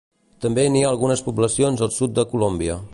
També n'hi ha algunes poblacions al sud de Colòmbia.